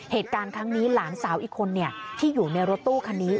เหตุการณ์ครั้งนี้หลานสาวอีกคนที่อยู่ในรถตู้คันนี้